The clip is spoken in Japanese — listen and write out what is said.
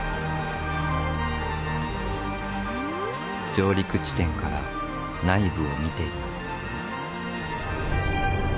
上陸地点から内部を見ていく。